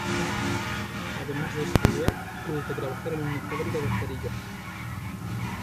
Además de estudiar, tuvo que trabajar en una fábrica de cerillas.